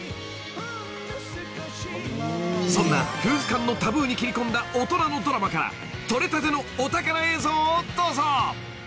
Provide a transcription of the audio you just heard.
［そんな夫婦間のタブーに切り込んだ大人のドラマから撮れたてのお宝映像をどうぞ］